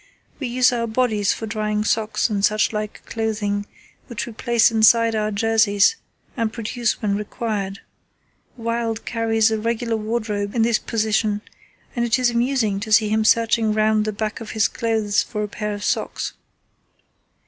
We use our bodies for drying socks and such like clothing, which we place inside our jerseys and produce when required. Wild carries a regular wardrobe in this position, and it is amusing to see him searching round the back of his clothes for a pair of socks.